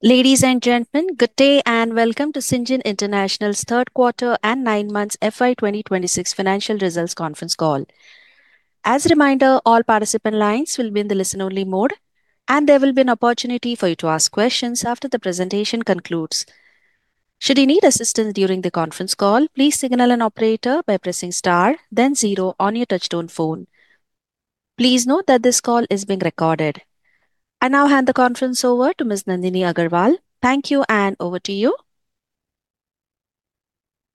Ladies and gentlemen, good day and welcome to Syngene International's Q3 and nine months FY 2026 Financial Results Conference Call. As a reminder, all participant lines will be in the listen-only mode, and there will be an opportunity for you to ask questions after the presentation concludes. Should you need assistance during the conference call, please signal an operator by pressing star, then zero on your touch-tone phone. Please note that this call is being recorded. I now hand the conference over to Ms. Nandini Agarwal. Thank you, and over to you.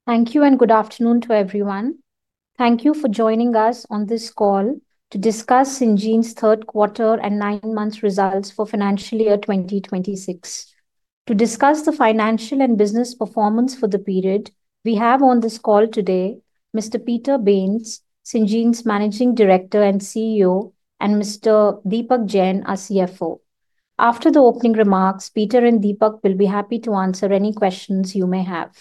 Thank you, and good afternoon to everyone. Thank you for joining us on this call to discuss Syngene's Q3 and nine months results for financial year 2026. To discuss the financial and business performance for the period, we have on this call today Mr. Peter Bains, Syngene's Managing Director and CEO, and Mr. Deepak Jain, our CFO. After the opening remarks, Peter and Deepak will be happy to answer any questions you may have.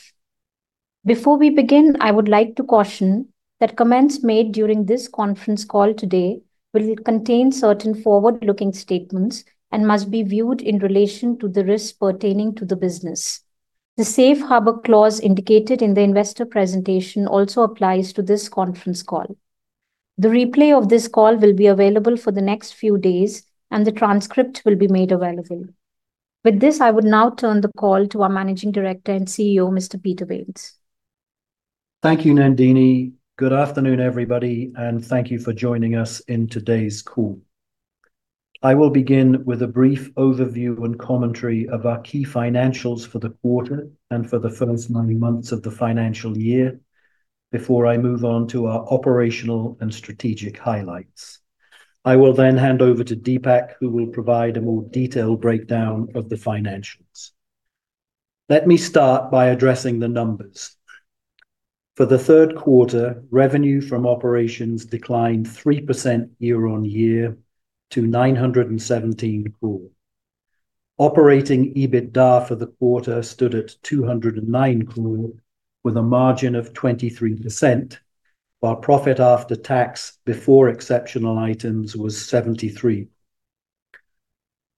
Before we begin, I would like to caution that comments made during this conference call today will contain certain forward-looking statements and must be viewed in relation to the risks pertaining to the business. The safe harbor clause indicated in the investor presentation also applies to this conference call. The replay of this call will be available for the next few days, and the transcript will be made available. With this, I would now turn the call to our Managing Director and CEO, Mr. Peter Bains. Thank you, Nandini. Good afternoon, everybody, and thank you for joining us in today's call. I will begin with a brief overview and commentary of our key financials for the quarter and for the first nine months of the financial year before I move on to our operational and strategic highlights. I will then hand over to Deepak, who will provide a more detailed breakdown of the financials. Let me start by addressing the numbers. For the Q3, revenue from operations declined 3% year-on-year to 917 crore. Operating EBITDA for the quarter stood at 209 crore, with a margin of 23%, while profit after tax before exceptional items was 73.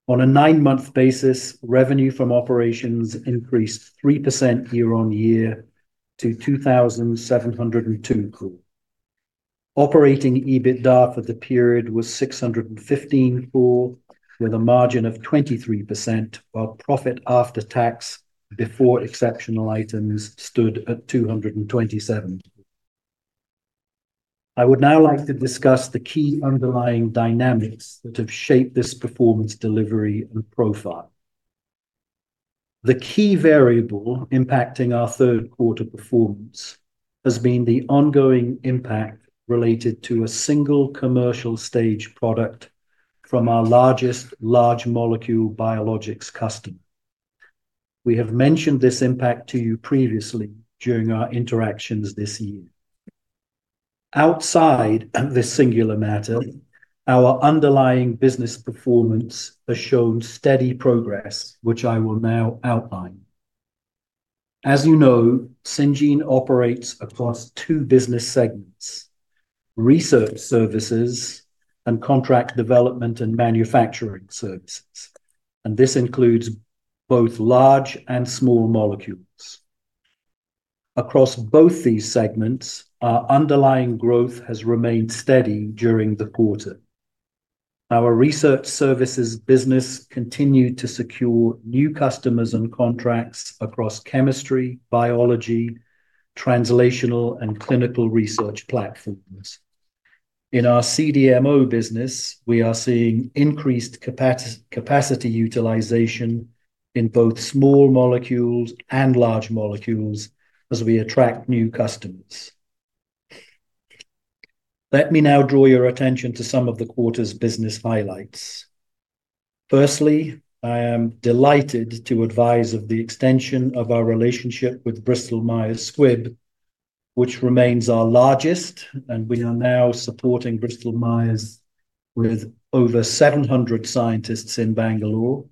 On a nine-month basis, revenue from operations increased 3% year-on-year to 2,702 crore. Operating EBITDA for the period was 615 crore, with a margin of 23%, while profit after tax before exceptional items stood at 227. I would now like to discuss the key underlying dynamics that have shaped this performance delivery and profile. The key variable impacting our Q3 performance has been the ongoing impact related to a single commercial stage product from our largest large molecule biologics customer. We have mentioned this impact to you previously during our interactions this year. Outside this singular matter, our underlying business performance has shown steady progress, which I will now outline. As you know, Syngene operates across two business segments: research services and contract development and manufacturing services, and this includes both large and small molecules. Across both these segments, our underlying growth has remained steady during the quarter. Our research services business continued to secure new customers and contracts across chemistry, biology, translational, and clinical research platforms. In our CDMO business, we are seeing increased capacity utilization in both small molecules and large molecules as we attract new customers. Let me now draw your attention to some of the quarter's business highlights. Firstly, I am delighted to advise of the extension of our relationship with Bristol-Myers Squibb, which remains our largest, and we are now supporting Bristol-Myers with over 700 scientists in Bangalore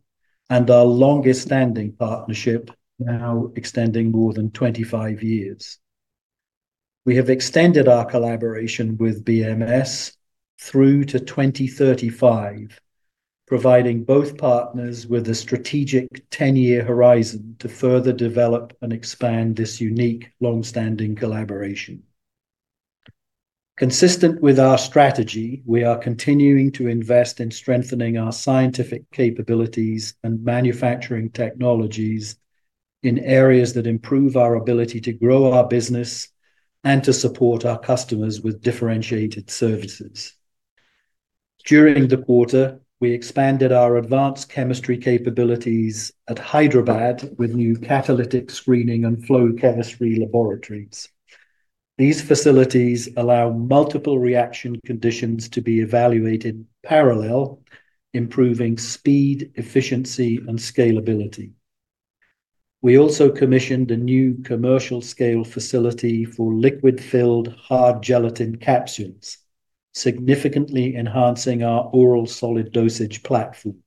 and our longest-standing partnership, now extending more than 25 years. We have extended our collaboration with BMS through to 2035, providing both partners with a strategic 10-year horizon to further develop and expand this unique long-standing collaboration. Consistent with our strategy, we are continuing to invest in strengthening our scientific capabilities and manufacturing technologies in areas that improve our ability to grow our business and to support our customers with differentiated services. During the quarter, we expanded our advanced chemistry capabilities at Hyderabad with new catalytic screening and flow chemistry laboratories. These facilities allow multiple reaction conditions to be evaluated parallel, improving speed, efficiency, and scalability. We also commissioned a new commercial-scale facility for liquid-filled hard gelatin capsules, significantly enhancing our oral solid dosage platform.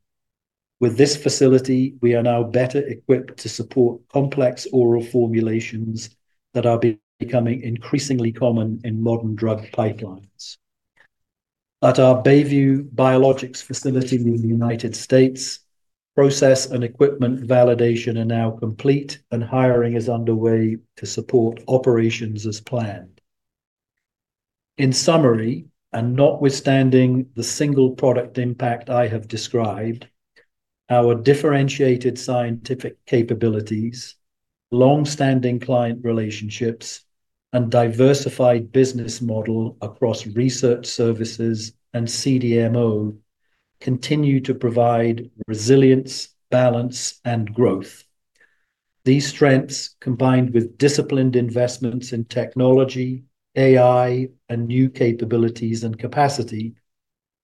With this facility, we are now better equipped to support complex oral formulations that are becoming increasingly common in modern drug pipelines. At our Stelis Biologics facility in the United States, process and equipment validation are now complete, and hiring is underway to support operations as planned. In summary, and notwithstanding the single product impact I have described, our differentiated scientific capabilities, long-standing client relationships, and diversified business model across research services and CDMO continue to provide resilience, balance, and growth. These strengths, combined with disciplined investments in technology, AI, and new capabilities and capacity,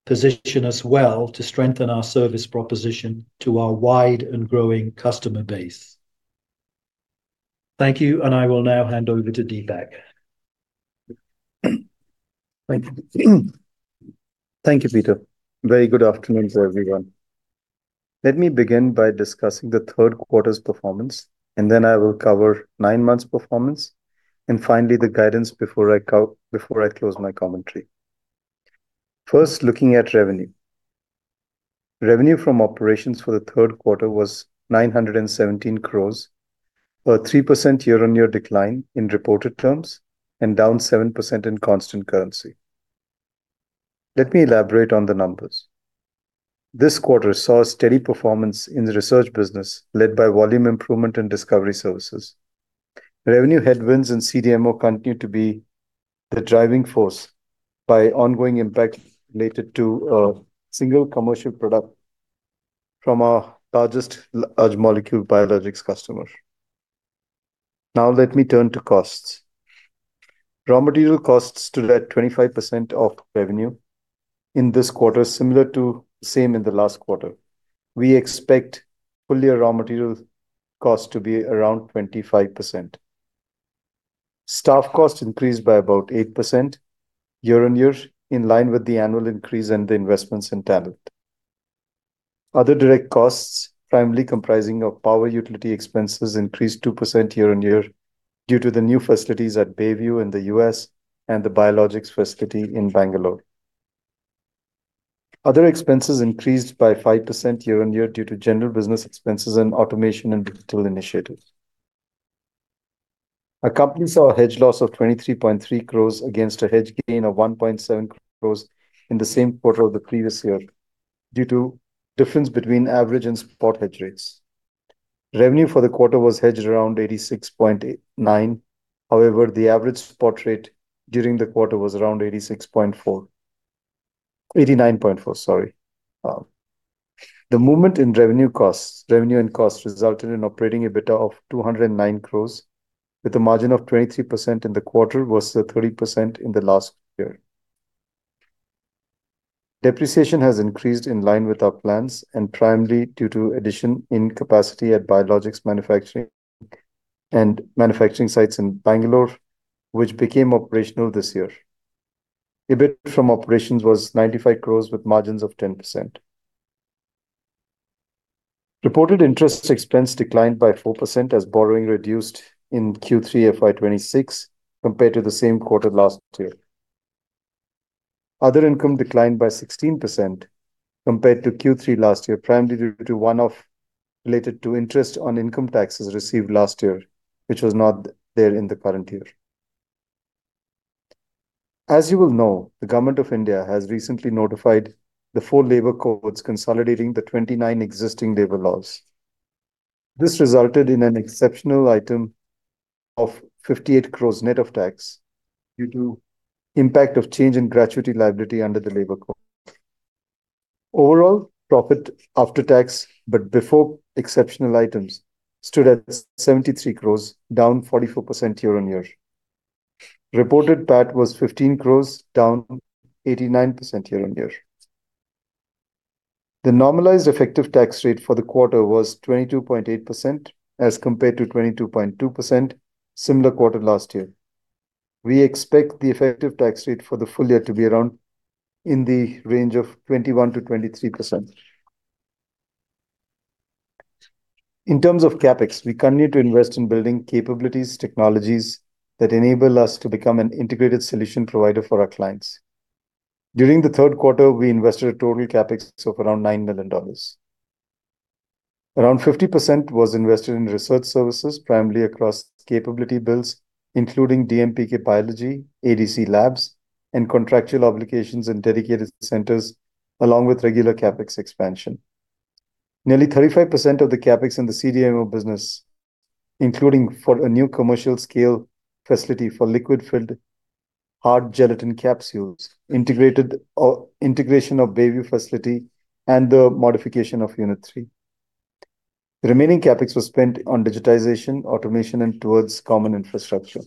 position us well to strengthen our service proposition to our wide and growing customer base. Thank you, and I will now hand over to Deepak. Thank you, Peter. Very good afternoon to everyone. Let me begin by discussing the Q3's performance, and then I will cover nine months' performance, and finally the guidance before I close my commentary. First, looking at revenue. Revenue from operations for the Q3 was 917 crore, a 3% year-on-year decline in reported terms, and down 7% in constant currency. Let me elaborate on the numbers. This quarter saw a steady performance in the research business led by volume improvement and discovery services. Revenue headwinds in CDMO continue to be the driving force by ongoing impact related to a single commercial product from our largest large molecule biologics customer. Now, let me turn to costs. Raw material costs stood at 25% of revenue in this quarter, similar to the same in the last quarter. We expect full-year raw material costs to be around 25%. Staff costs increased by about 8% year-on-year, in line with the annual increase in the investments in talent. Other direct costs, primarily comprising power utility expenses, increased 2% year-on-year due to the new facilities at Stelis in the U.S. and the biologics facility in Bangalore. Other expenses increased by 5% year-on-year due to general business expenses and automation and digital initiatives. The company saw a hedge loss of 23.3 crore against a hedge gain of 1.7 crore in the same quarter of the previous year due to difference between average and spot hedge rates. Revenue for the quarter was hedged around 86.9. However, the average spot rate during the quarter was around 89.4. The movement in revenue and costs resulted in operating EBITDA of 209 crore, with a margin of 23% in the quarter versus 30% in the last year. Depreciation has increased in line with our plans, and primarily due to addition in capacity at biologics manufacturing sites in Bangalore, which became operational this year. EBIT from operations was 95 crore, with margins of 10%. Reported interest expense declined by 4% as borrowing reduced in Q3 FY 2026 compared to the same quarter last year. Other income declined by 16% compared to Q3 last year, primarily due to one-off related to interest on income taxes received last year, which was not there in the current year. As you will know, the Government of India has recently notified the four labor codes consolidating the 29 existing labor laws. This resulted in an exceptional item of 58 crore net of tax due to impact of change in gratuity liability under the labor code. Overall, profit after tax, but before exceptional items, stood at 73 crore, down 44% year-on-year. Reported PAT was 15 crore, down 89% year-on-year. The normalized effective tax rate for the quarter was 22.8% as compared to 22.2%, similar quarter last year. We expect the effective tax rate for the full year to be around in the range of 21%-23%. In terms of CapEx, we continue to invest in building capabilities, technologies that enable us to become an integrated solution provider for our clients. During the Q3, we invested a total CapEx of around $9 million. Around 50% was invested in research services, primarily across capability builds, including DMPK Biology, ADC Labs, and contractual obligations and dedicated centers, along with regular CapEx expansion. Nearly 35% of the CapEx in the CDMO business, including for a new commercial scale facility for liquid-filled hard gelatin capsules, integration of Stelis facility, and the modification of Unit 3. The remaining CapEx was spent on digitization, automation, and towards common infrastructure.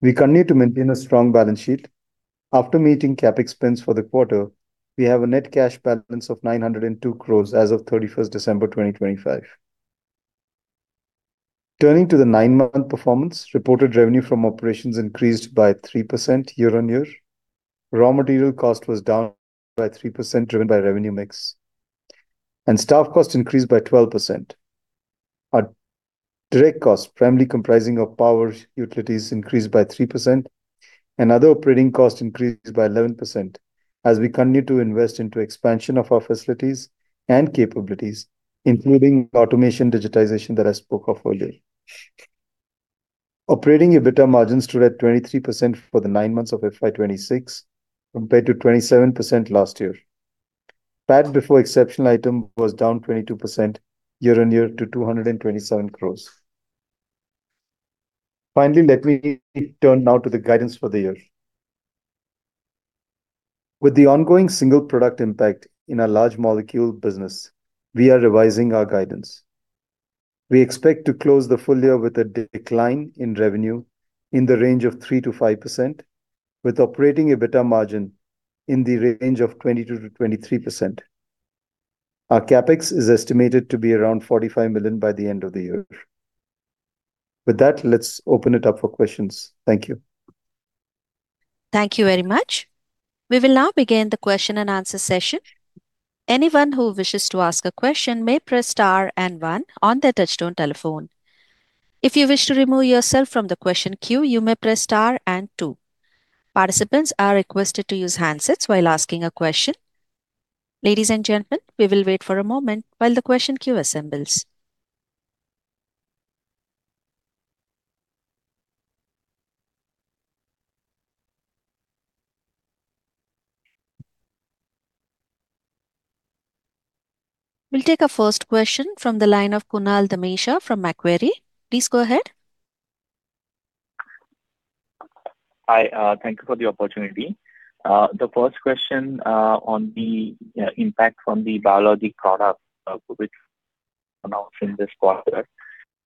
We continue to maintain a strong balance sheet. After meeting CapEx spends for the quarter, we have a net cash balance of 902 crore as of 31st December 2025. Turning to the nine-month performance, reported revenue from operations increased by 3% year-on-year. Raw material cost was down by 3% driven by revenue mix, and staff cost increased by 12%. Our direct costs, primarily comprising power utilities, increased by 3%, and other operating costs increased by 11% as we continue to invest into expansion of our facilities and capabilities, including automation digitization that I spoke of earlier. Operating EBITDA margins stood at 23% for the nine months of FY 2026 compared to 27% last year. PAT before exceptional items was down 22% year-on-year to 227 crore. Finally, let me turn now to the guidance for the year. With the ongoing single product impact in our large molecule business, we are revising our guidance. We expect to close the full year with a decline in revenue in the range of 3%-5%, with operating EBITDA margin in the range of 22%-23%. Our CapEx is estimated to be around $45 million by the end of the year. With that, let's open it up for questions. Thank you. Thank you very much. We will now begin the Q&A session. Anyone who wishes to ask a question may press star and one on their touch-tone telephone. If you wish to remove yourself from the question queue, you may press star and two. Participants are requested to use handsets while asking a question. Ladies and gentlemen, we will wait for a moment while the question queue assembles. We'll take a first question from the line of Kunal Damesha from Macquarie. Please go ahead. Hi, thank you for the opportunity. The first question on the impact from the biologics product which announced in this quarter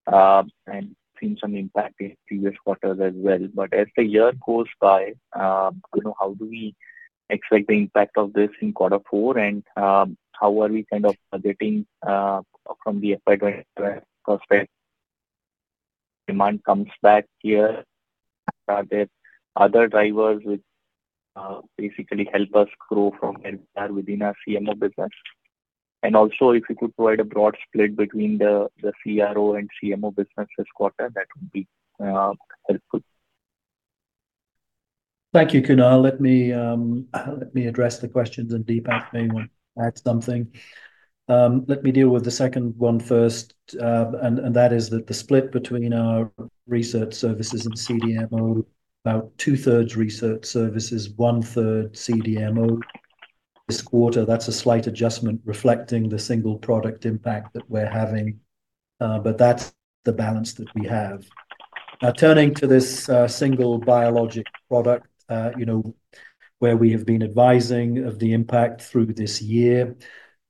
and seen some impact in previous quarters as well, but as the year goes by, how do we expect the impact of this in quarter four, and how are we kind of getting from the FY 27 prospects? Demand comes back here. Are there other drivers which basically help us grow from within our CMO business? And also, if you could provide a broad split between the CRO and CMO business this quarter, that would be helpful. Thank you, Kunal. Let me address the questions and Deepak may add something. Let me deal with the second one first, and that is that the split between our research services and CDMO, about two-thirds research services, one-third CDMO this quarter. That's a slight adjustment reflecting the single product impact that we're having, but that's the balance that we have. Now, turning to this single biologic product where we have been advising of the impact through this year,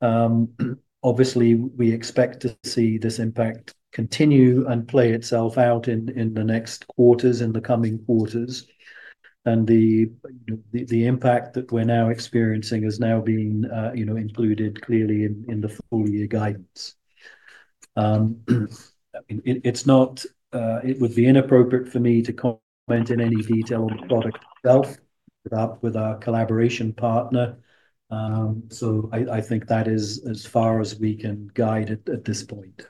obviously, we expect to see this impact continue and play itself out in the next quarters, in the coming quarters, and the impact that we're now experiencing is now being included clearly in the full-year guidance. It would be inappropriate for me to comment in any detail on the product itself with our collaboration partner, so I think that is as far as we can guide at this point.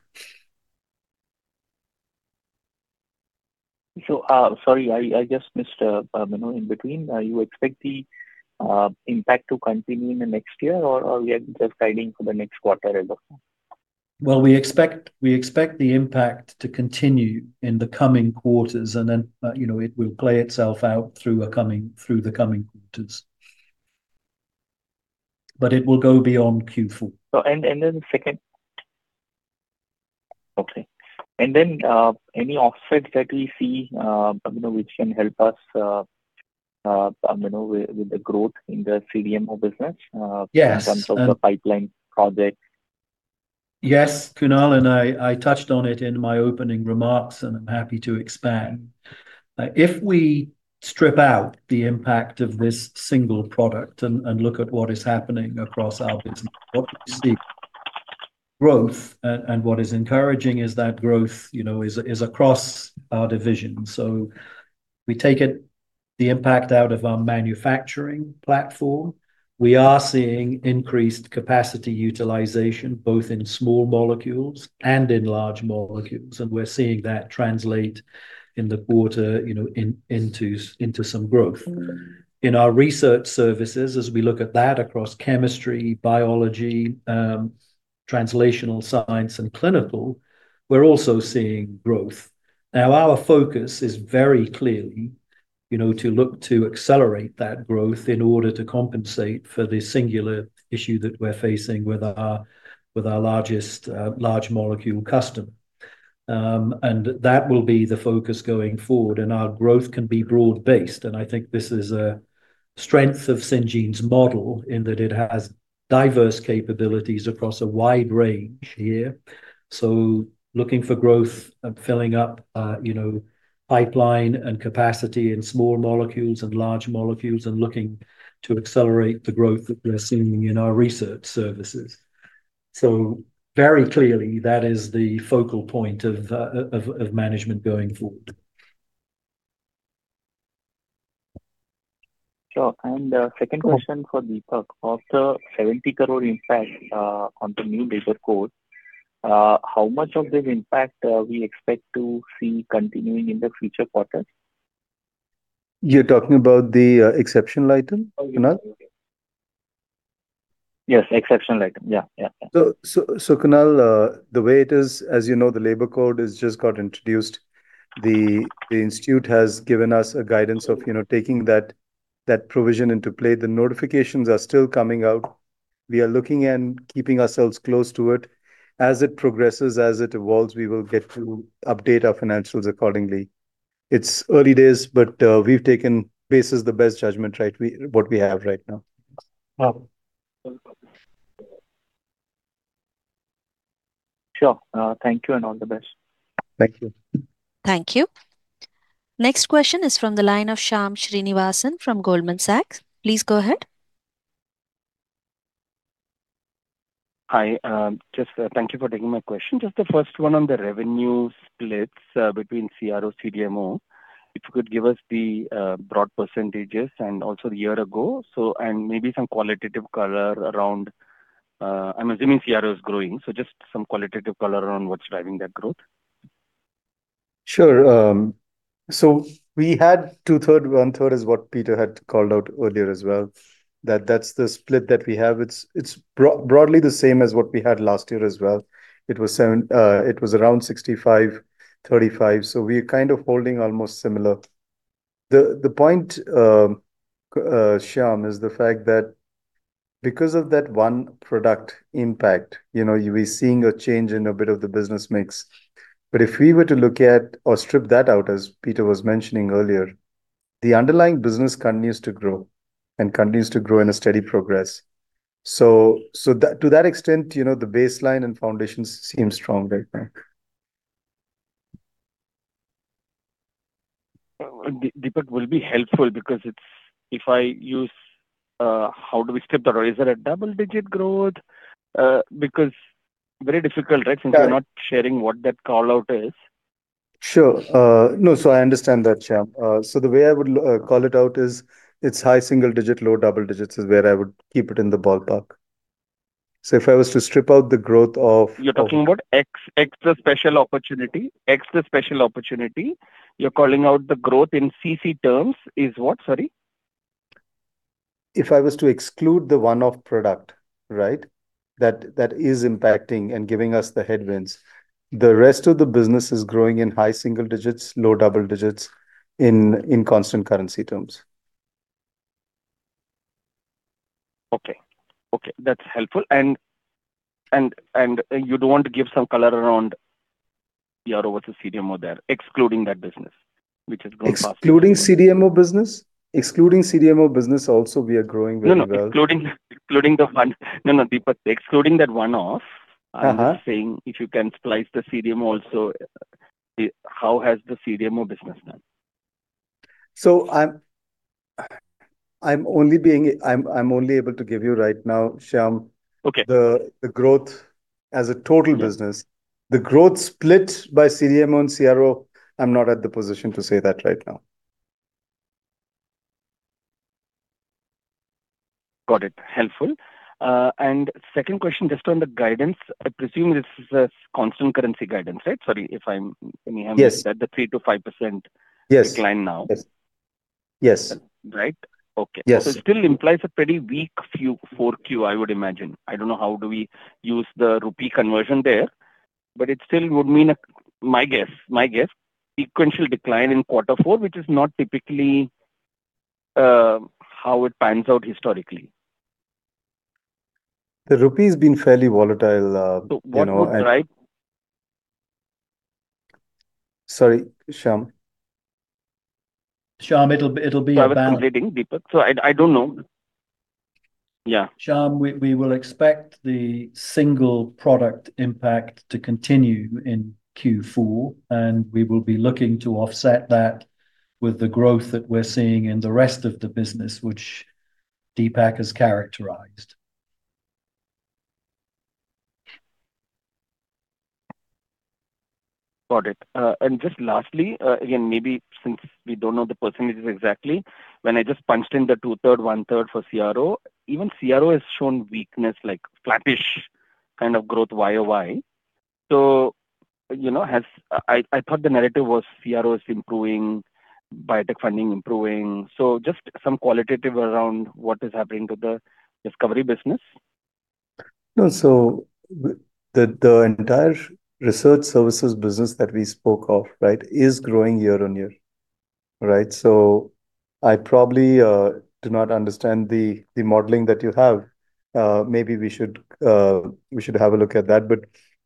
So, sorry, I guess, Mr. Bains, you expect the impact to continue in the next year, or are we just guiding for the next quarter as of now? We expect the impact to continue in the coming quarters, and then it will play itself out through the coming quarters, but it will go beyond Q4. And then the second. Okay. And then any offsets that we see which can help us with the growth in the CDMO business in terms of the pipeline project? Yes, Kunal and I touched on it in my opening remarks, and I'm happy to expand. If we strip out the impact of this single product and look at what is happening across our business, what we see growth, and what is encouraging is that growth is across our division. So we take the impact out of our manufacturing platform. We are seeing increased capacity utilization both in small molecules and in large molecules, and we're seeing that translate in the quarter into some growth. In our research services, as we look at that across chemistry, biology, translational science, and clinical, we're also seeing growth. Now, our focus is very clearly to look to accelerate that growth in order to compensate for the singular issue that we're facing with our largest large molecule customer, and that will be the focus going forward, and our growth can be broad-based. And I think this is a strength of Syngene's model in that it has diverse capabilities across a wide range here. So looking for growth and filling up pipeline and capacity in small molecules and large molecules and looking to accelerate the growth that we're seeing in our research services. So very clearly, that is the focal point of management going forward. Sure. And second question for Deepak. After 70 crore impact on the new labor code, how much of this impact we expect to see continuing in the future quarters? You're talking about the exceptional item, Kunal? Yes, exceptional item. Yeah, yeah. So Kunal, the way it is, as you know, the Labor Code has just got introduced. The institute has given us a guidance of taking that provision into play. The notifications are still coming out. We are looking and keeping ourselves close to it. As it progresses, as it evolves, we will get to update our financials accordingly. It's early days, but we've taken base as the best judgment, right, what we have right now. Sure. Thank you and all the best. Thank you. Thank you. Next question is from the line of Shyam Srinivasan from Goldman Sachs. Please go ahead. Hi. Just, thank you for taking my question. Just the first one on the revenue splits between CRO, CDMO. If you could give us the broad percentages and also the year ago, and maybe some qualitative color around, I'm assuming CRO is growing, so just some qualitative color around what's driving that growth. Sure. So we had two-thirds. One-third is what Peter had called out earlier as well. That's the split that we have. It's broadly the same as what we had last year as well. It was around 65%-35%. So we're kind of holding almost similar. The point, Shyam, is the fact that because of that one product impact, we're seeing a change in a bit of the business mix. But if we were to look at or strip that out, as Peter was mentioning earlier, the underlying business continues to grow and continues to grow in a steady progress. So to that extent, the baseline and foundations seem strong right now. Deepak, will be helpful because if I use, how do we strip the razor at double-digit growth? Because very difficult, right, since we're not sharing what that callout is. Sure. No, so I understand that, Shyam. So the way I would call it out is it's high single digit, low double digits is where I would keep it in the ballpark. So if I was to strip out the growth of. You're talking about the special opportunity. You're calling out the growth in CC terms? Is what, sorry? If I was to exclude the one-off product, right, that is impacting and giving us the headwinds, the rest of the business is growing in high single digits, low double digits in constant currency terms. Okay. Okay. That's helpful. And you don't want to give some color around CRO versus CDMO there, excluding that business which is growing faster? Excluding CDMO business? Excluding CDMO business also, we are growing very well. No, no, no. Excluding the one. No, no, Deepak, excluding that one-off, I'm saying if you can split the CDMO also, how has the CDMO business done? I'm only able to give you right now, Shyam, the growth as a total business. The growth split by CDMO and CRO, I'm not at the position to say that right now. Got it. Helpful. And second question, just on the guidance, I presume this is a constant currency guidance, right? Sorry if I'm anyhow missing that, the 3%-5% decline now. Yes. Yes. Right? Okay. Yes. So it still implies a pretty weak Q4, I would imagine. I don't know how do we use the rupee conversion there, but it still would mean, my guess, sequential decline in quarter four, which is not typically how it pans out historically. The rupee has been fairly volatile. What would drive? Sorry, Shyam? Shyam, it'll be a bang. While concluding, Deepak? So I don't know. Yeah. Shyam, we will expect the single product impact to continue in Q4, and we will be looking to offset that with the growth that we're seeing in the rest of the business, which Deepak has characterized. Got it. And just lastly, again, maybe since we don't know the percentages exactly, when I just punched in the two-thirds, one-third for CRO, even CRO has shown weakness, like flattish kind of growth YOY. So I thought the narrative was CRO is improving, biotech funding improving. So just some qualitative around what is happening to the discovery business? No, so the entire research services business that we spoke of, right, is growing year on year, right? So I probably do not understand the modeling that you have. Maybe we should have a look at that.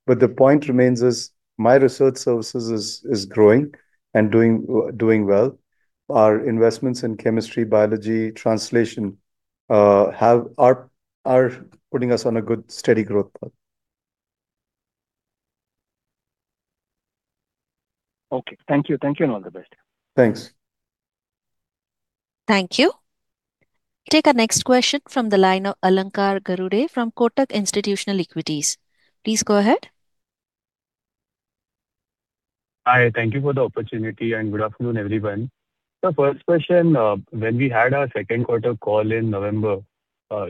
But the point remains is my research services is growing and doing well. Our investments in chemistry, biology, translation are putting us on a good steady growth path. Okay. Thank you. Thank you and all the best. Thanks. Thank you. Take a next question from the line of Alankar Garude from Kotak Institutional Equities. Please go ahead. Hi. Thank you for the opportunity and good afternoon, everyone. The first question, when we had our Q2 call in November,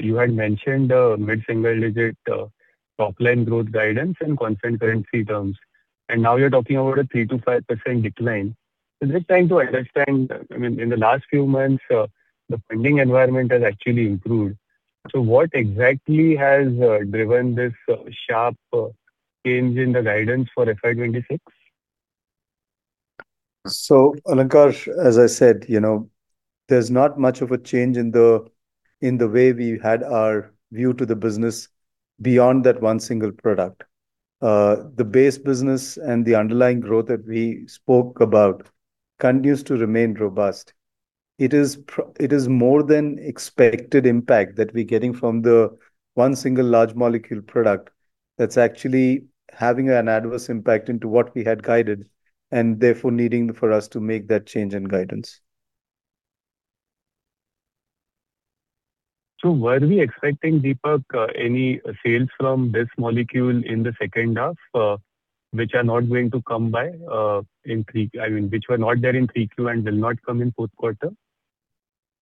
you had mentioned mid-single digit top-line growth guidance in constant currency terms. And now you're talking about a 3%-5% decline. So just trying to understand, I mean, in the last few months, the funding environment has actually improved. So what exactly has driven this sharp change in the guidance for FY 2026? So Allankar, as I said, there's not much of a change in the way we had our view to the business beyond that one single product. The base business and the underlying growth that we spoke about continues to remain robust. It is more than expected impact that we're getting from the one single large molecule product that's actually having an adverse impact into what we had guided and therefore needing for us to make that change in guidance. So, were we expecting, Deepak, any sales from this molecule in the second half, which are not going to come by in three Q? I mean, which were not there in three Q and will not come in Q4?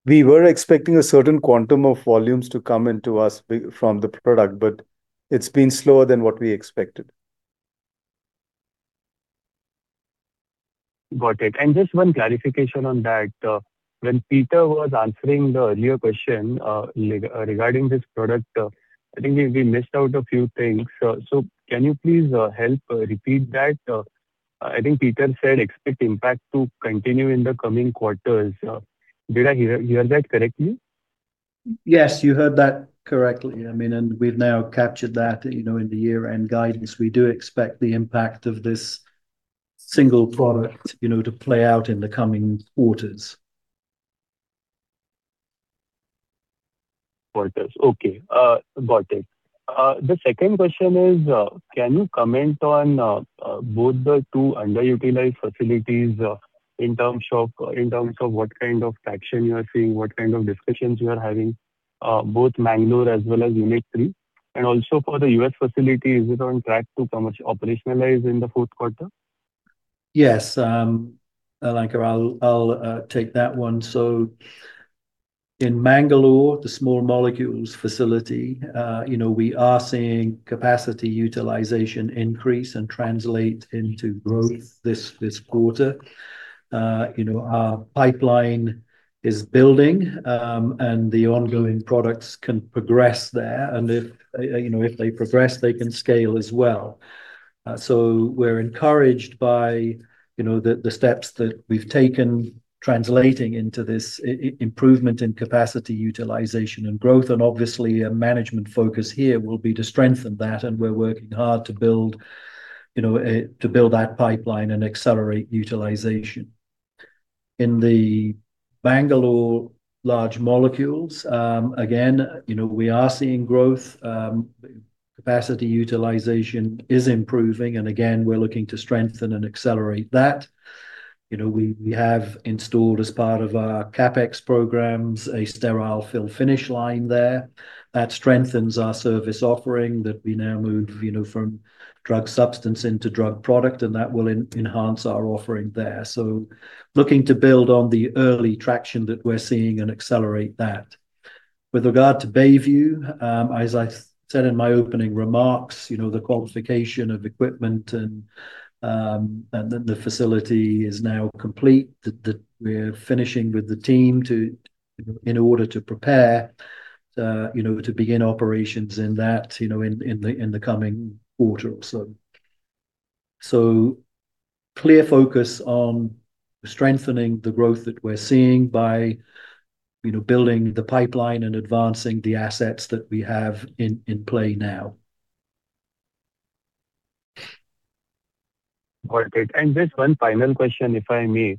We were expecting a certain quantum of volumes to come into us from the product, but it's been slower than what we expected. Got it. And just one clarification on that. When Peter was answering the earlier question regarding this product, I think we missed out a few things. So can you please help repeat that? I think Peter said expect impact to continue in the coming quarters. Did I hear that correctly? Yes, you heard that correctly. I mean, and we've now captured that in the year-end guidance. We do expect the impact of this single product to play out in the coming quarters. Got it. The second question is, can you comment on both the two underutilized facilities in terms of what kind of traction you are seeing, what kind of discussions you are having, both Mangalore as well as Unit 3? And also for the U.S. facility, is it on track to operationalize in the Q4? Yes, Allankar, I'll take that one. So in Mangalore, the small molecules facility, we are seeing capacity utilization increase and translate into growth this quarter. Our pipeline is building, and the ongoing products can progress there. And if they progress, they can scale as well. So we're encouraged by the steps that we've taken translating into this improvement in capacity utilization and growth. And obviously, a management focus here will be to strengthen that. And we're working hard to build that pipeline and accelerate utilization. In the Mangalore large molecules, again, we are seeing growth. Capacity utilization is improving. And again, we're looking to strengthen and accelerate that. We have installed, as part of our CapEx programs, a sterile fill finish line there that strengthens our service offering that we now move from drug substance into drug product, and that will enhance our offering there. So looking to build on the early traction that we're seeing and accelerate that. With regard to Stelis, as I said in my opening remarks, the qualification of equipment and the facility is now complete. We're finishing with the team in order to prepare to begin operations in that in the coming quarter or so. So clear focus on strengthening the growth that we're seeing by building the pipeline and advancing the assets that we have in play now. Got it. And just one final question, if I may,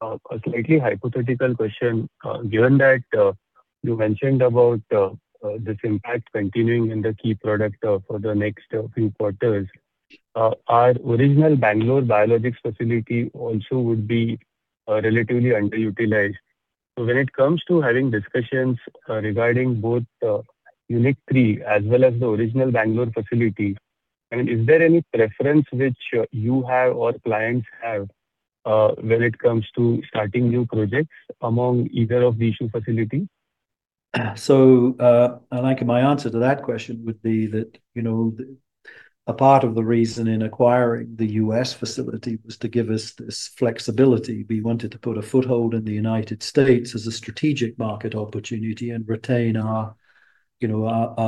a slightly hypothetical question. Given that you mentioned about this impact continuing in the key product for the next few quarters, our original Bangalore biologics facility also would be relatively under-utilized. So when it comes to having discussions regarding both Unit 3 as well as the original Bangalore facility, I mean, is there any preference which you have or clients have when it comes to starting new projects among either of these facilities? So Allankar, my answer to that question would be that a part of the reason in acquiring the U.S. facility was to give us this flexibility. We wanted to put a foothold in the United States as a strategic market opportunity and retain our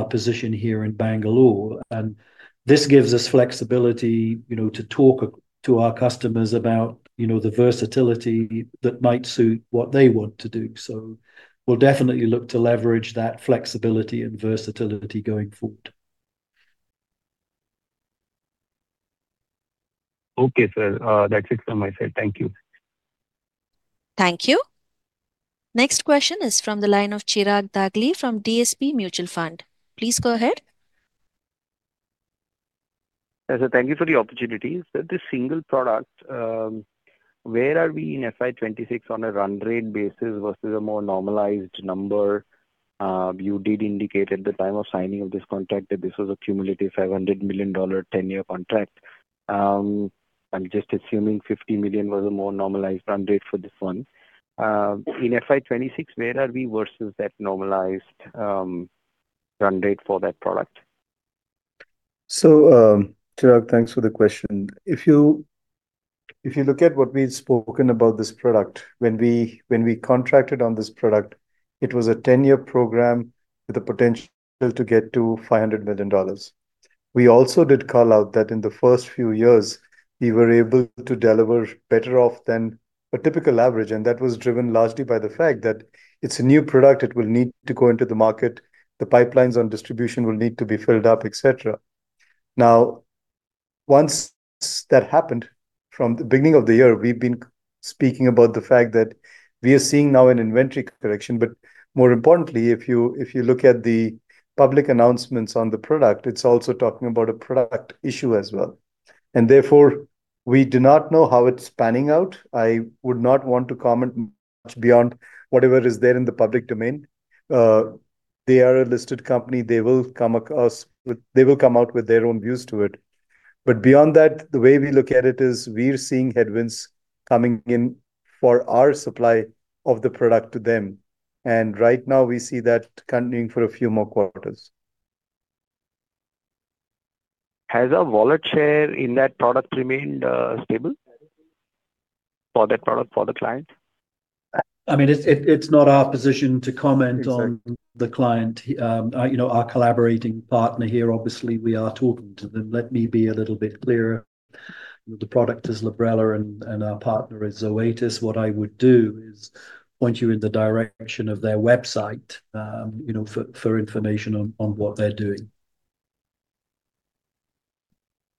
position here in Bangalore. And this gives us flexibility to talk to our customers about the versatility that might suit what they want to do. So we'll definitely look to leverage that flexibility and versatility going forward. Okay. So that's it from my side. Thank you. Thank you. Next question is from the line of Chirag Dagli from DSP Mutual Fund. Please go ahead. Thank you for the opportunity. So this single product, where are we in FY 2026 on a run rate basis versus a more normalized number? You did indicate at the time of signing of this contract that this was a cumulative $500 million 10-year contract. I'm just assuming $50 million was a more normalized run rate for this one. In FY 2026, where are we versus that normalized run rate for that product? So Chirag, thanks for the question. If you look at what we've spoken about this product, when we contracted on this product, it was a 10-year program with a potential to get to $500 million. We also did call out that in the first few years, we were able to deliver better off than a typical average. And that was driven largely by the fact that it's a new product. It will need to go into the market. The pipelines on distribution will need to be filled up, etc. Now, once that happened from the beginning of the year, we've been speaking about the fact that we are seeing now an inventory correction. But more importantly, if you look at the public announcements on the product, it's also talking about a product issue as well. And therefore, we do not know how it's panning out. I would not want to comment much beyond whatever is there in the public domain. They are a listed company. They will come out with their own views to it, but beyond that, the way we look at it is we're seeing headwinds coming in for our supply of the product to them, and right now, we see that continuing for a few more quarters. Has a wallet share in that product remained stable for that product for the client? I mean, it's not our position to comment on the client. Our collaborating partner here, obviously, we are talking to them. Let me be a little bit clearer. The product is Librela, and our partner is Zoetis. What I would do is point you in the direction of their website for information on what they're doing.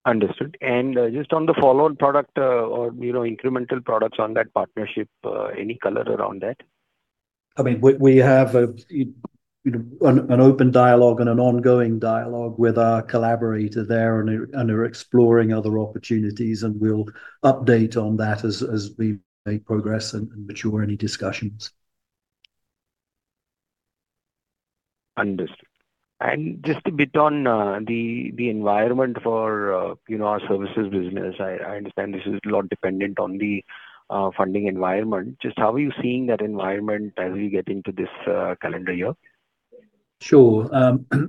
Understood, and just on the follow-on product or incremental products on that partnership, any color around that? I mean, we have an open dialogue and an ongoing dialogue with our collaborator there, and we're exploring other opportunities, and we'll update on that as we progress and mature any discussions. Understood. And just a bit on the environment for our services business. I understand this is a lot dependent on the funding environment. Just how are you seeing that environment as we get into this calendar year? Sure.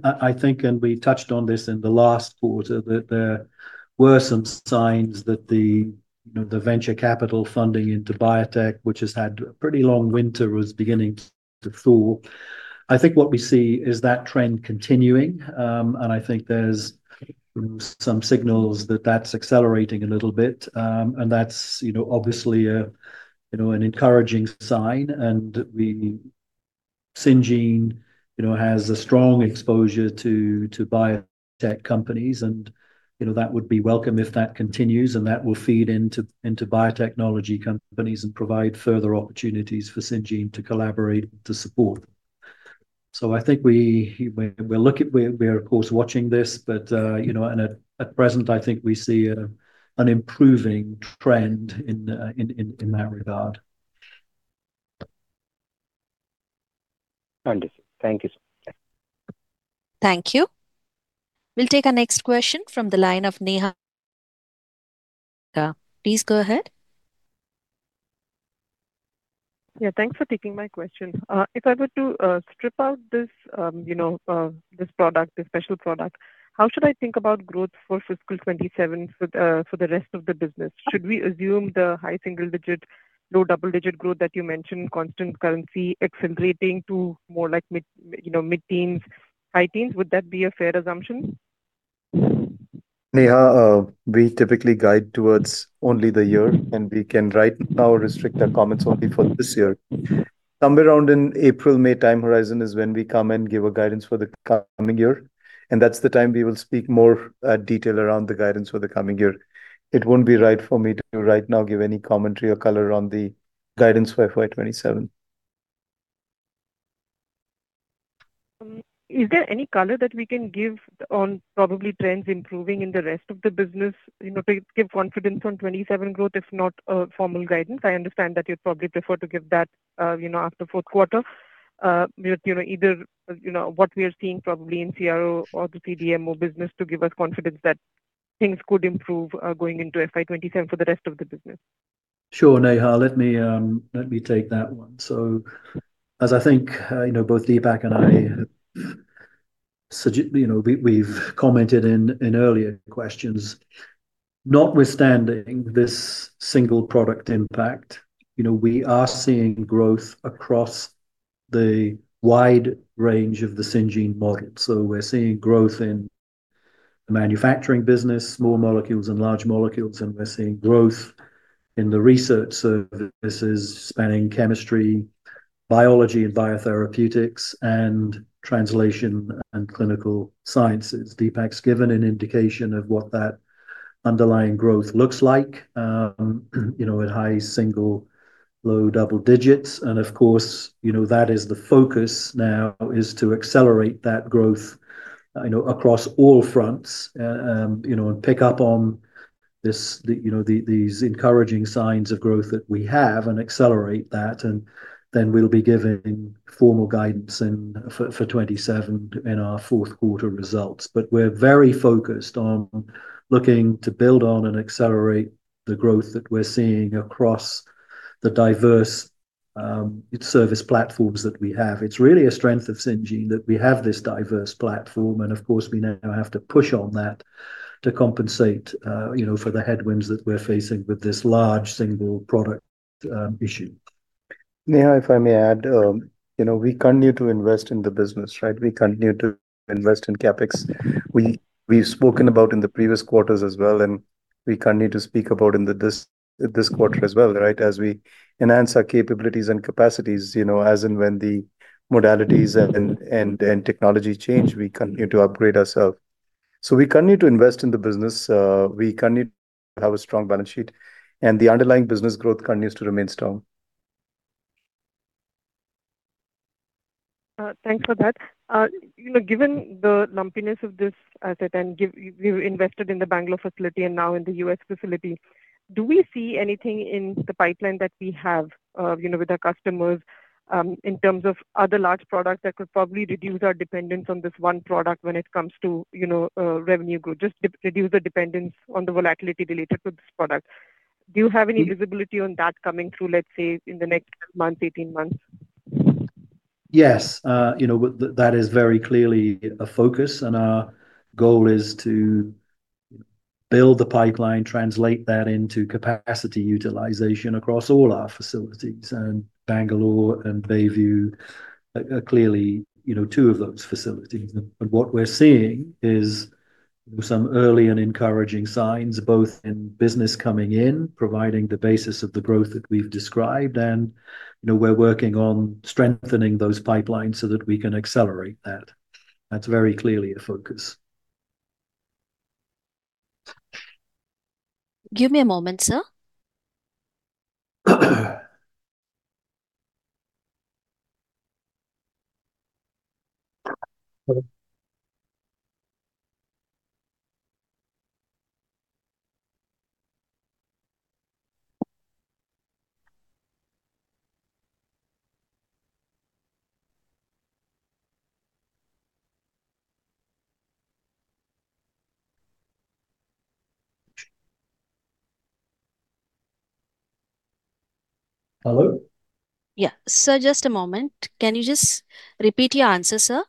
I think, and we touched on this in the last quarter, that there were some signs that the venture capital funding into biotech, which has had a pretty long winter, was beginning to soar. I think what we see is that trend continuing, and I think there's some signals that that's accelerating a little bit, and that's obviously an encouraging sign, and Syngene has a strong exposure to biotech companies, and that would be welcome if that continues, and that will feed into biotechnology companies and provide further opportunities for Syngene to collaborate and to support, so I think we're, of course, watching this, but at present, I think we see an improving trend in that regard. Understood. Thank you. Thank you. We'll take a next question from the line of Neha. Please go ahead. Yeah. Thanks for taking my question. If I were to strip out this product, this special product, how should I think about growth for fiscal 2027 for the rest of the business? Should we assume the high single-digit, low double-digit growth that you mentioned, constant currency accelerating to more like mid-teens, high-teens? Would that be a fair assumption? Neha, we typically guide towards only the year, and we can write our restrictive comments only for this year. Somewhere around an April, May time horizon is when we come and give a guidance for the coming year. And that's the time we will speak more detail around the guidance for the coming year. It won't be right for me to right now give any commentary or color on the guidance for FY 2027. Is there any color that we can give on probably trends improving in the rest of the business to give confidence on 27 growth, if not formal guidance? I understand that you'd probably prefer to give that after Q4. Either what we are seeing probably in CRO or the CDMO business to give us confidence that things could improve going into FY 27 for the rest of the business? Sure, Neha. Let me take that one. So as I think both Deepak and I, we've commented in earlier questions, notwithstanding this single product impact, we are seeing growth across the wide range of the Syngene model. So we're seeing growth in the manufacturing business, small molecules and large molecules, and we're seeing growth in the research services spanning chemistry, biology and biotherapeutics, and translational and clinical sciences. Deepak's given an indication of what that underlying growth looks like at high single, low double digits. And of course, that is the focus now is to accelerate that growth across all fronts and pick up on these encouraging signs of growth that we have and accelerate that. And then we'll be giving formal guidance for 27 in our Q4 results. But we're very focused on looking to build on and accelerate the growth that we're seeing across the diverse service platforms that we have. It's really a strength of Syngene that we have this diverse platform. And of course, we now have to push on that to compensate for the headwinds that we're facing with this large single product issue. Neha, if I may add, we continue to invest in the business, right? We continue to invest in CapEx. We've spoken about in the previous quarters as well, and we continue to speak about in this quarter as well, right, as we enhance our capabilities and capacities as and when the modalities and technology change, we continue to upgrade ourselves. So we continue to invest in the business. We continue to have a strong balance sheet, and the underlying business growth continues to remain strong. Thanks for that. Given the lumpiness of this asset and we've invested in the Bangalore facility and now in the US facility, do we see anything in the pipeline that we have with our customers in terms of other large products that could probably reduce our dependence on this one product when it comes to revenue growth, just reduce the dependence on the volatility related to this product? Do you have any visibility on that coming through, let's say, in the next month, 18 months? Yes. That is very clearly a focus. And our goal is to build the pipeline, translate that into capacity utilization across all our facilities. And Bangalore and Stelis are clearly two of those facilities. But what we're seeing is some early and encouraging signs both in business coming in, providing the basis of the growth that we've described, and we're working on strengthening those pipelines so that we can accelerate that. That's very clearly a focus. Give me a moment, sir. Hello? Yeah. So just a moment. Can you just repeat your answer, sir?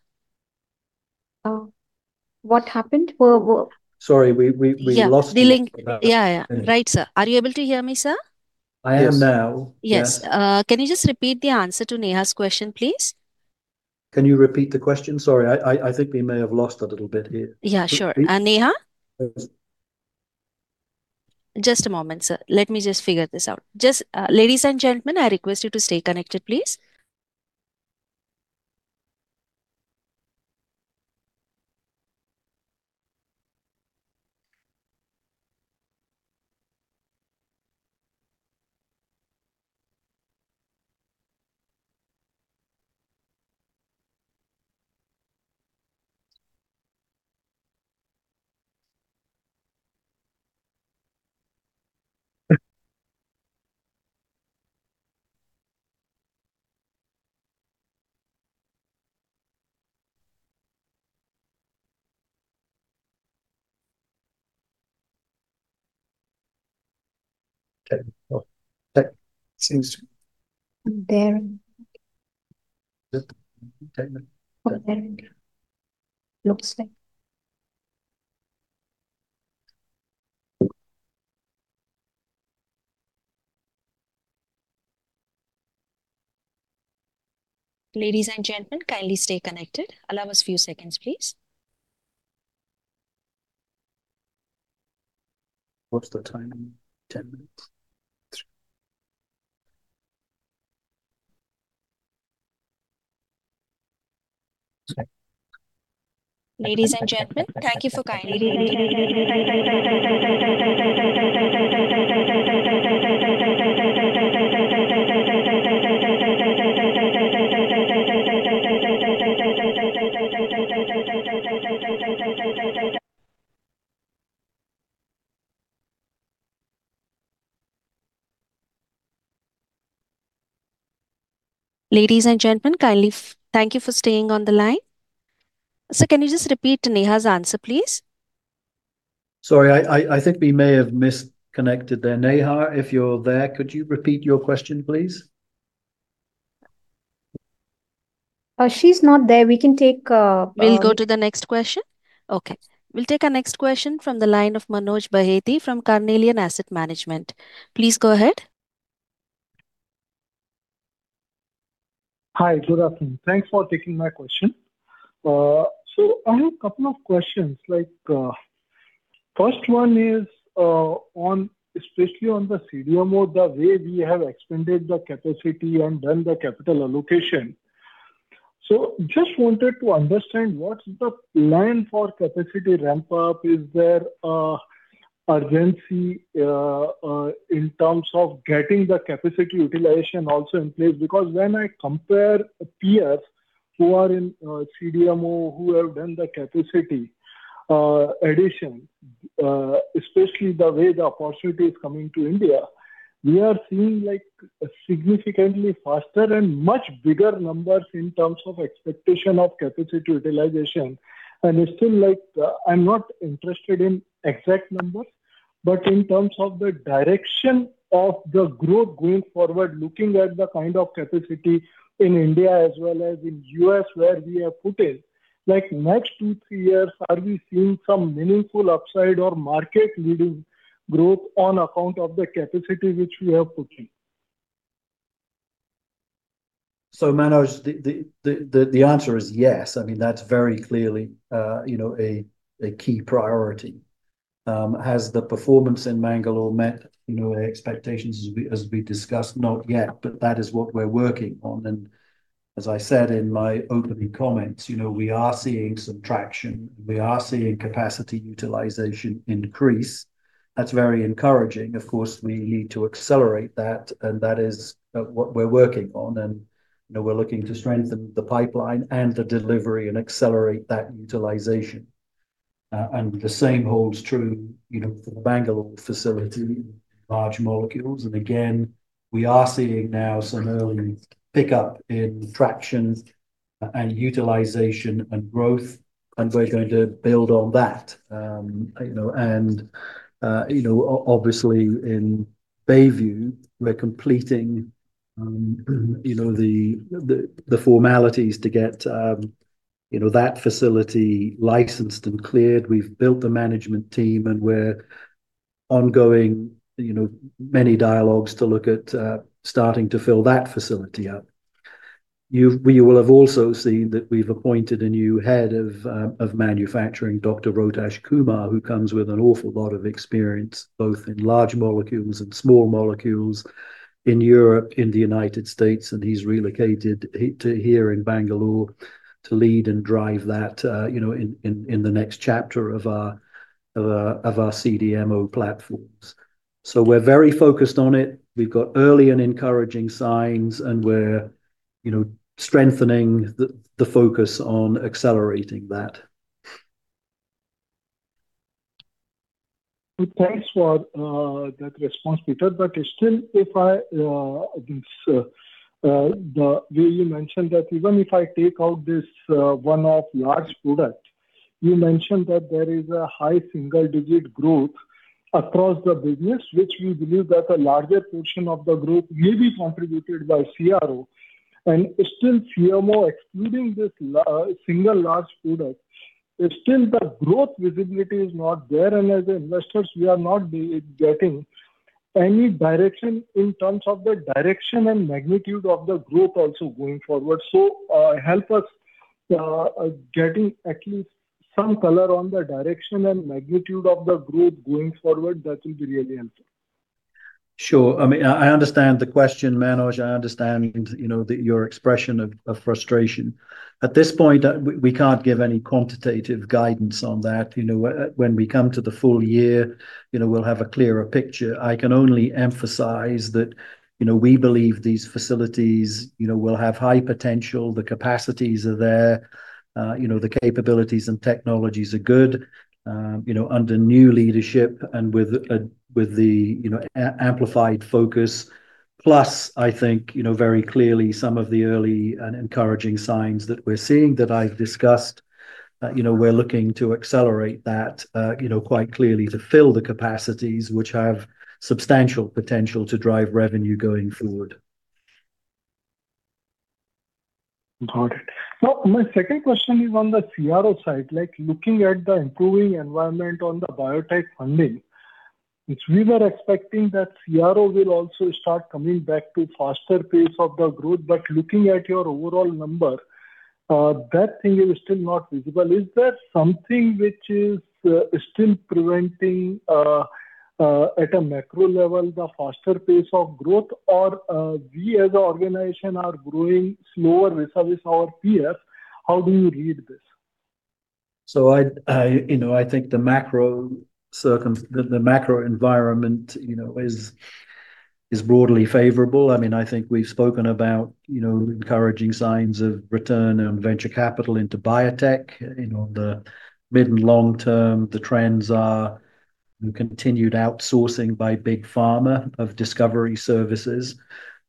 What happened? Sorry. We lost you. Yeah. Right, sir. Are you able to hear me, sir? I am now. Yes. Can you just repeat the answer to Neha's question, please? Can you repeat the question? Sorry. I think we may have lost a little bit here. Yeah. Sure. And Neha? Just a moment, sir. Let me just figure this out. Just ladies and gentlemen, I request you to stay connected, please. Ladies and gentlemen, kindly stay connected. Allow us a few seconds, please. What's the time? 10 minutes. Ladies and gentlemen, kindly thank you for staying on the line. So can you just repeat Neha's answer, please? Sorry. I think we may have misconnected there. Neha, if you're there, could you repeat your question, please? She's not there. We can take. We'll go to the next question. Okay. We'll take a next question from the line of Manoj Bahety from Carnelian Asset Management. Please go ahead. Hi. Good afternoon. Thanks for taking my question. So I have a couple of questions. First one is especially on the CDMO, the way we have expanded the capacity and done the capital allocation. So just wanted to understand what's the plan for capacity ramp-up? Is there urgency in terms of getting the capacity utilization also in place? Because when I compare peers who are in CDMO who have done the capacity addition, especially the way the opportunity is coming to India, we are seeing significantly faster and much bigger numbers in terms of expectation of capacity utilization. It's still like I'm not interested in exact numbers, but in terms of the direction of the growth going forward, looking at the kind of capacity in India as well as in the US where we have put in, next two, three years, are we seeing some meaningful upside or market-leading growth on account of the capacity which we have put in? So Manoj, the answer is yes. I mean, that's very clearly a key priority. Has the performance in Mangalore met the expectations as we discussed? Not yet, but that is what we're working on. And as I said in my opening comments, we are seeing some traction. We are seeing capacity utilization increase. That's very encouraging. Of course, we need to accelerate that, and that is what we're working on. And we're looking to strengthen the pipeline and the delivery and accelerate that utilization. And the same holds true for the Mangalore facility and large molecules. And again, we are seeing now some early pickup in traction and utilization and growth, and we're going to build on that. And obviously, in Stelis, we're completing the formalities to get that facility licensed and cleared. We've built the management team, and we're ongoing many dialogues to look at starting to fill that facility up. You will have also seen that we've appointed a new head of manufacturing, Dr. Ritesh Kumar, who comes with an awful lot of experience both in large molecules and small molecules in Europe, in the United States. And he's relocated here in Bangalore to lead and drive that in the next chapter of our CDMO platforms. So we're very focused on it. We've got early and encouraging signs, and we're strengthening the focus on accelerating that. Thanks for that response, Peter, but still, the way you mentioned that even if I take out this one-off large product, you mentioned that there is a high single-digit growth across the business, which we believe that a larger portion of the group may be contributed by CRO, and still, CMO excluding this single large product, still the growth visibility is not there, and as investors, we are not getting any direction in terms of the direction and magnitude of the growth also going forward, so help us getting at least some color on the direction and magnitude of the growth going forward. That will be really helpful. Sure. I mean, I understand the question, Manoj. I understand your expression of frustration. At this point, we can't give any quantitative guidance on that. When we come to the full year, we'll have a clearer picture. I can only emphasize that we believe these facilities will have high potential. The capacities are there. The capabilities and technologies are good under new leadership and with the amplified focus. Plus, I think very clearly some of the early and encouraging signs that we're seeing that I've discussed, we're looking to accelerate that quite clearly to fill the capacities which have substantial potential to drive revenue going forward. Got it. Now, my second question is on the CRO side. Looking at the improving environment on the biotech funding, we were expecting that CRO will also start coming back to faster pace of the growth. But looking at your overall number, that thing is still not visible. Is there something which is still preventing at a macro level the faster pace of growth, or we as an organization are growing slower vis-à-vis our peers? How do you read this? So I think the macro environment is broadly favorable. I mean, I think we've spoken about encouraging signs of return on venture capital into biotech. In the mid and long term, the trends are continued outsourcing by Big Pharma of discovery services.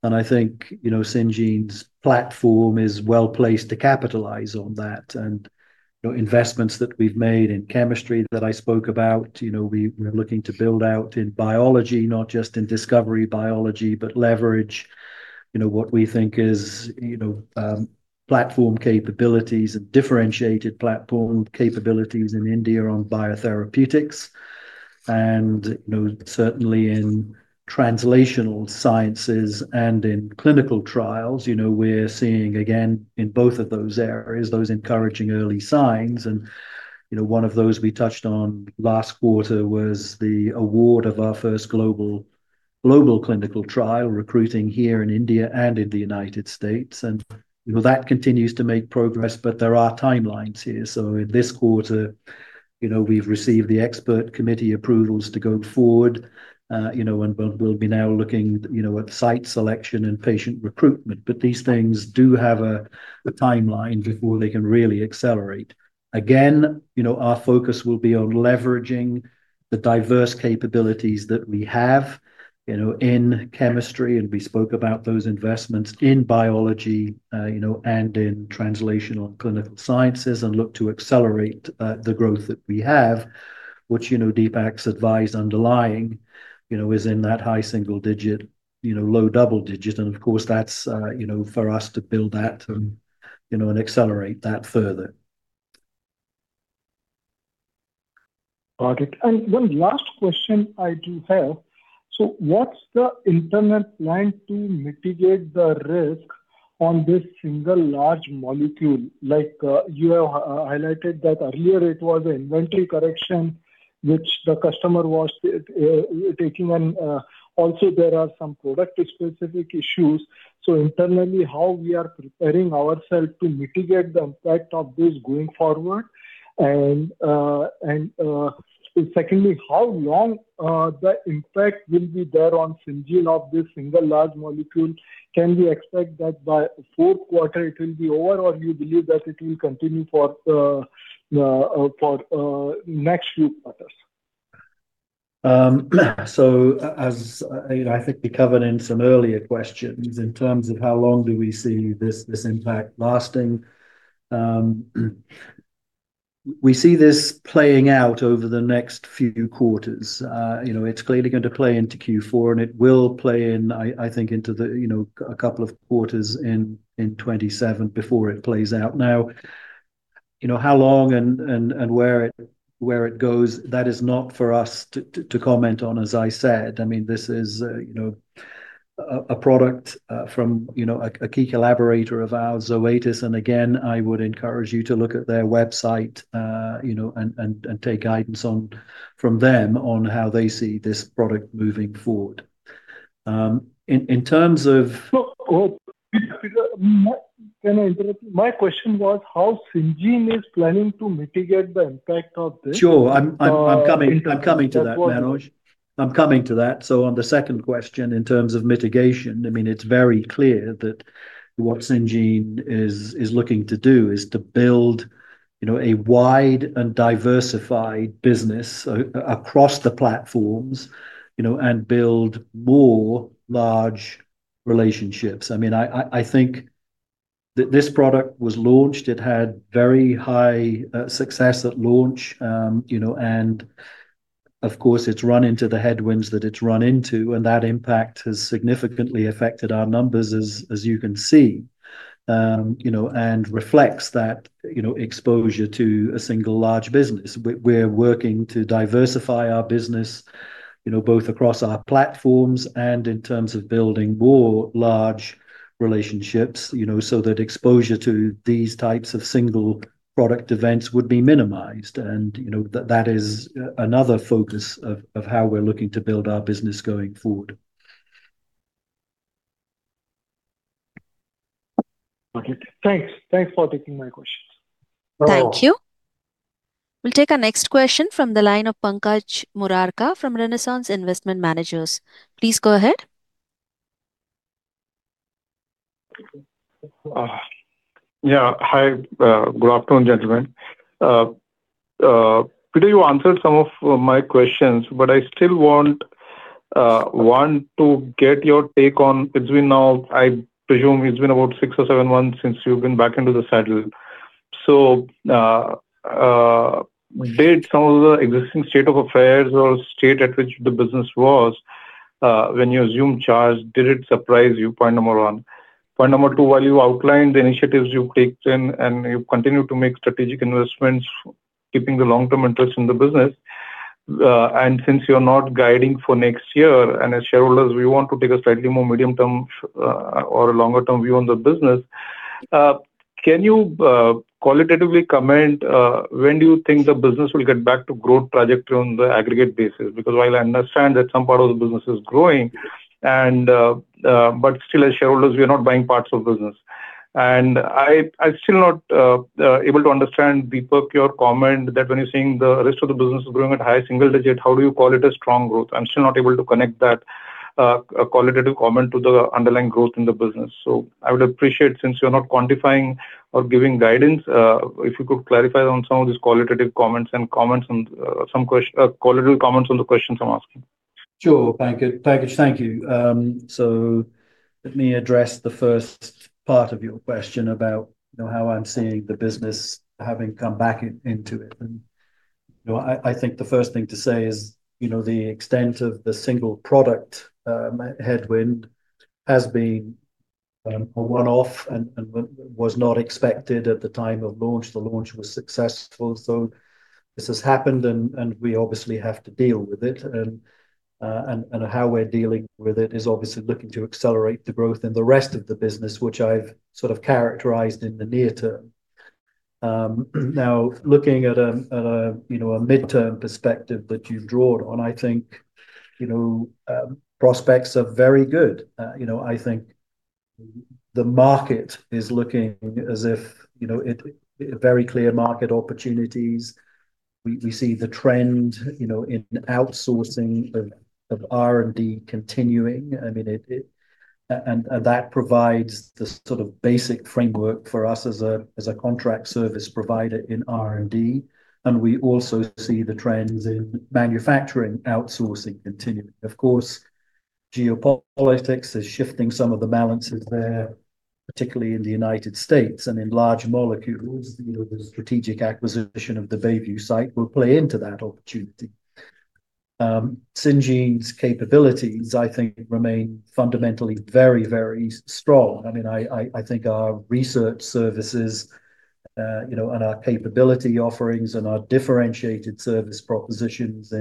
And I think Syngene's platform is well placed to capitalize on that. And investments that we've made in chemistry that I spoke about, we're looking to build out in biology, not just in discovery biology, but leverage what we think is platform capabilities and differentiated platform capabilities in India on biotherapeutics. And certainly in translational sciences and in clinical trials, we're seeing, again, in both of those areas, those encouraging early signs. And one of those we touched on last quarter was the award of our first global clinical trial recruiting here in India and in the United States. That continues to make progress, but there are timelines here. In this quarter, we've received the expert committee approvals to go forward, and we'll be now looking at site selection and patient recruitment. These things do have a timeline before they can really accelerate. Again, our focus will be on leveraging the diverse capabilities that we have in chemistry. We spoke about those investments in biology and in translational and clinical sciences and look to accelerate the growth that we have, which Deepak's advice underlying is in that high single-digit-low double-digit. Of course, that's for us to build that and accelerate that further. Perfect. And one last question I do have. So what's the internal plan to mitigate the risk on this single large molecule? You have highlighted that earlier it was an inventory correction, which the customer was taking. And also, there are some product-specific issues. So internally, how we are preparing ourselves to mitigate the impact of this going forward? And secondly, how long the impact will be there on Syngene of this single large molecule? Can we expect that by Q4, it will be over, or you believe that it will continue for the next few quarters? So I think we covered in some earlier questions in terms of how long do we see this impact lasting. We see this playing out over the next few quarters. It's clearly going to play into Q4, and it will play in, I think, into a couple of quarters in 2027 before it plays out. Now, how long and where it goes, that is not for us to comment on, as I said. I mean, this is a product from a key collaborator of ours, Zoetis. And again, I would encourage you to look at their website and take guidance from them on how they see this product moving forward. In terms of. My question was how Syngene is planning to mitigate the impact of this. Sure. I'm coming to that, Manoj. I'm coming to that. So on the second question in terms of mitigation, I mean, it's very clear that what Syngene is looking to do is to build a wide and diversified business across the platforms and build more large relationships. I mean, I think that this product was launched. It had very high success at launch. And of course, it's run into the headwinds that it's run into. And that impact has significantly affected our numbers, as you can see, and reflects that exposure to a single large business. We're working to diversify our business both across our platforms and in terms of building more large relationships so that exposure to these types of single product events would be minimized. And that is another focus of how we're looking to build our business going forward. Okay. Thanks. Thanks for taking my questions. Thank you. We'll take a next question from the line of Pankaj Murarka from Renaissance Investment Managers. Please go ahead. Yeah. Hi. Good afternoon, gentlemen. Peter, you answered some of my questions, but I still want to get your take on. It's been now, I presume, it's been about six or seven months since you've been back into the saddle. So did some of the existing state of affairs or state at which the business was, when you assumed charge, did it surprise you? Point number one. Point number two, while you outlined the initiatives you've taken and you've continued to make strategic investments, keeping the long-term interest in the business, and since you're not guiding for next year, and as shareholders, we want to take a slightly more medium-term or longer-term view on the business, can you qualitatively comment when do you think the business will get back to growth trajectory on the aggregate basis? Because while I understand that some part of the business is growing, but still, as shareholders, we are not buying parts of business. And I'm still not able to understand Deepak's comment that when you're saying the rest of the business is growing at high single-digit, how do you call it a strong growth? I'm still not able to connect that qualitative comment to the underlying growth in the business. So I would appreciate, since you're not quantifying or giving guidance, if you could clarify on some of these qualitative comments and some qualitative comments on the questions I'm asking. Sure. Thank you. So let me address the first part of your question about how I'm seeing the business having come back into it. And I think the first thing to say is the extent of the single product headwind has been a one-off and was not expected at the time of launch. The launch was successful. So this has happened, and we obviously have to deal with it. And how we're dealing with it is obviously looking to accelerate the growth in the rest of the business, which I've sort of characterized in the near term. Now, looking at a midterm perspective that you've drawn on, I think prospects are very good. I think the market is looking as if very clear market opportunities. We see the trend in outsourcing of R&D continuing. I mean, and that provides the sort of basic framework for us as a contract service provider in R&D. And we also see the trends in manufacturing outsourcing continuing. Of course, geopolitics is shifting some of the balances there, particularly in the United States and in large molecules. The strategic acquisition of the Stelis site will play into that opportunity. Syngene's capabilities, I think, remain fundamentally very, very strong. I mean, I think our research services and our capability offerings and our differentiated service propositions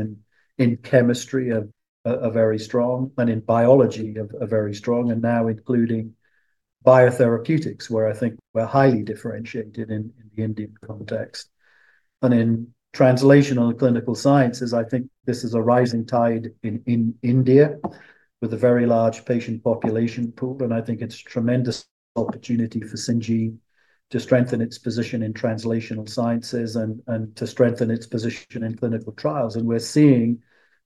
in chemistry are very strong and in biology are very strong, and now including biotherapeutics, where I think we're highly differentiated in the Indian context. And in translational clinical sciences, I think this is a rising tide in India with a very large patient population pool. And I think it's a tremendous opportunity for Syngene to strengthen its position in translational sciences and to strengthen its position in clinical trials. And we're seeing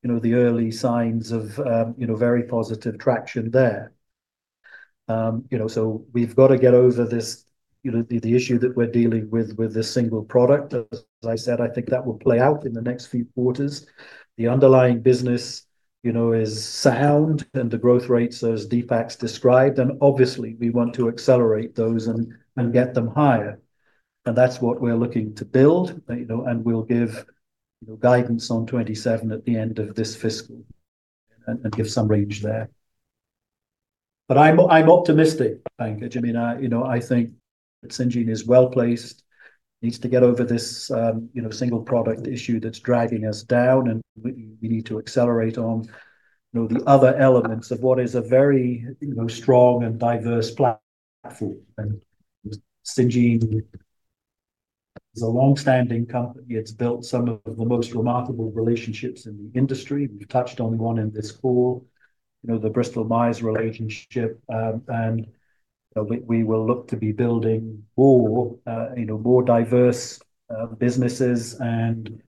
the early signs of very positive traction there. So we've got to get over the issue that we're dealing with with the single product. As I said, I think that will play out in the next few quarters. The underlying business is sound and the growth rates as Deepak's described. And obviously, we want to accelerate those and get them higher. And that's what we're looking to build. And we'll give guidance on 2027 at the end of this fiscal and give some range there. But I'm optimistic, Pankaj. I mean, I think Syngene is well placed, needs to get over this single product issue that's dragging us down, and we need to accelerate on the other elements of what is a very strong and diverse platform. And Syngene is a long-standing company. It's built some of the most remarkable relationships in the industry. We've touched on one in this call, the Bristol-Myers Squibb relationship. And we will look to be building more diverse businesses. And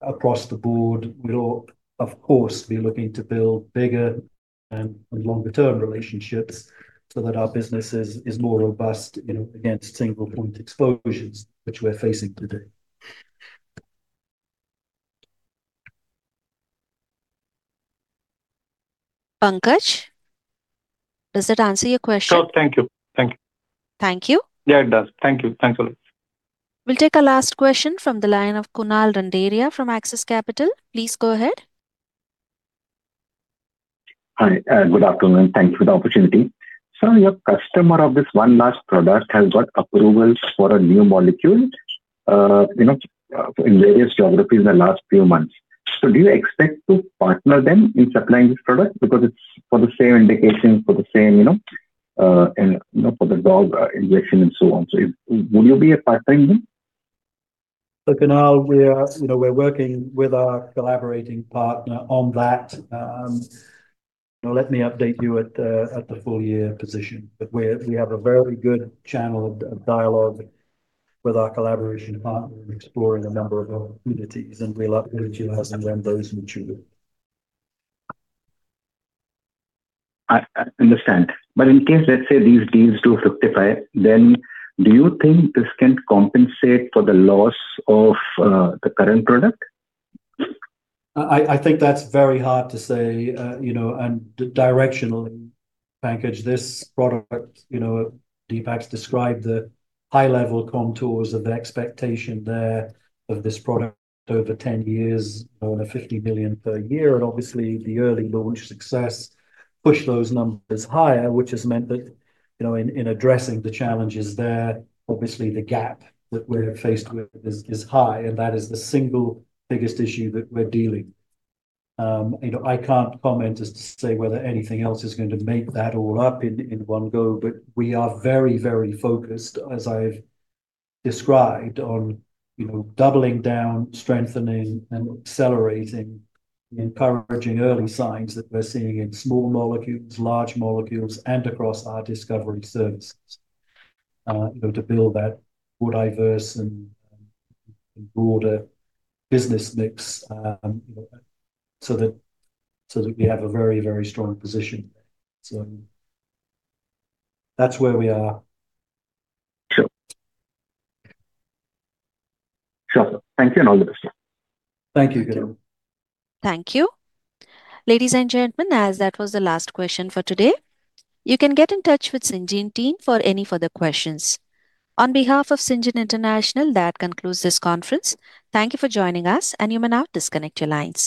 across the board, we'll, of course, be looking to build bigger and longer-term relationships so that our business is more robust against single-point exposures, which we're facing today. Pankaj, does that answer your question? Sure. Thank you. Thank you. Thank you. Yeah, it does. Thank you. Thanks a lot. We'll take a last question from the line of Kunal Randeria from Axis Capital. Please go ahead. Hi. Good afternoon. Thank you for the opportunity. So your customer of this one large product has got approvals for a new molecule in various geographies in the last few months. So do you expect to partner them in supplying this product? Because it's for the same indication, for the same dog injection and so on. So would you be a partner in them? Look, Kunal, we're working with our collaborating partner on that. Let me update you at the full-year position. But we have a very good channel of dialogue with our collaboration partner in exploring a number of opportunities, and we'll update you as and when those mature. I understand. But in case, let's say these deals do fructify, then do you think this can compensate for the loss of the current product? I think that's very hard to say. And directionally, Pankaj, this product, Deepak's described the high-level contours of the expectation there of this product over 10 years on a $50 million per year. And obviously, the early launch success pushed those numbers higher, which has meant that in addressing the challenges there, obviously, the gap that we're faced with is high. And that is the single biggest issue that we're dealing. I can't comment as to say whether anything else is going to make that all up in one go. But we are very, very focused, as I've described, on doubling down, strengthening, and accelerating, encouraging early signs that we're seeing in small molecules, large molecules, and across our discovery services to build that more diverse and broader business mix so that we have a very, very strong position there. So that's where we are. Sure. Sure. Thank you and all the best. Thank you, Gidon. Thank you. Ladies and gentlemen, that was the last question for today. You can get in touch with Syngene team for any further questions. On behalf of Syngene International, that concludes this conference. Thank you for joining us, and you may now disconnect your lines.